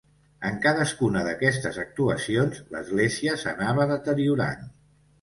En cadascuna d'aquestes actuacions, l'església s'anava deteriorant.